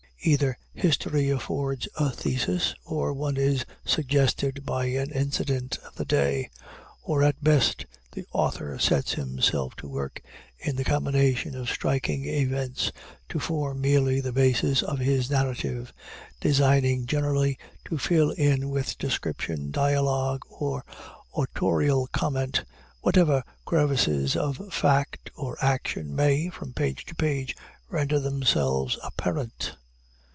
Either history affords a thesis or one is suggested by an incident of the day or, at best, the author sets himself to work in the combination of striking events to form merely the basis of his narrative designing, generally, to fill in with description, dialogue, or autorial comment, whatever crevices of fact, or action, may, from page to page, render themselves apparent.